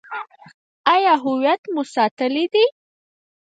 آیا هویت مو ساتلی دی؟